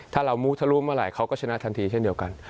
ถ้าเรามู้ทะลุเมื่อไหร่เขาก็ชนะทันทีเช่นเดียวกัน